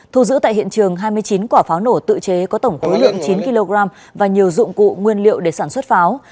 thu giữ tại hiện trường hai mươi chín quả pháo nổ tự chế có tổng khối lượng chín kg và nhiều dụng cụ nguyên liệu để sản xuất pháo